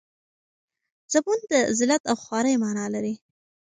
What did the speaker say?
زبون د ذلت او خوارۍ مانا لري.